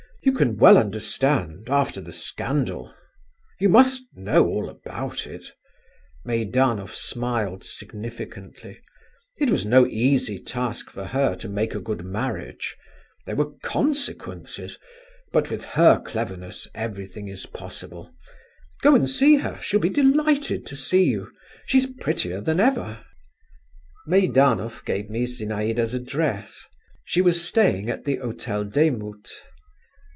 You can well understand—after the scandal … you must know all about it …" (Meidanov smiled significantly) "it was no easy task for her to make a good marriage; there were consequences … but with her cleverness, everything is possible. Go and see her; she'll be delighted to see you. She's prettier than ever." Meidanov gave me Zinaïda's address. She was staying at the Hotel Demut.